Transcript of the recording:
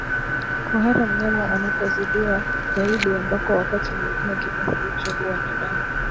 Kuhara mnyama anapozidiwa zaidi ambako wakati mwingine kinyesi hicho huwa na damu